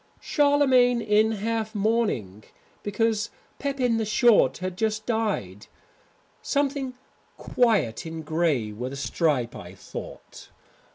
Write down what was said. "Charlemagne in half mourning, because Pepin the Short had just died. Something quiet in grey, with a stripe I thought.